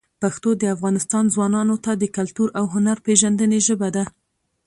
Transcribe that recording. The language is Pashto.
پښتو د افغانستان ځوانانو ته د کلتور او هنر پېژندنې ژبه ده.